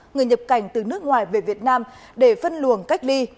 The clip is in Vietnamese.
người nhập cảnh từ nước ngoài về việt nam để phân luồng cách ly